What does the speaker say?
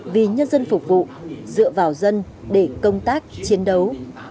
vì nhân dân phục vụ dựa vào dân để công tác chiến đấu